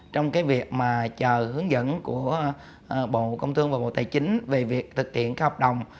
trong cái việc mà chờ hướng dẫn của bộ công thương và bộ tài chính về việc thực hiện các hợp đồng